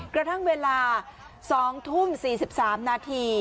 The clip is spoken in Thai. กระทั่งเวลา๒ทุ่ม๔๓นาที